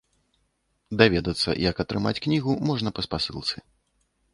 Даведацца, як атрымаць кнігу, можна па спасылцы.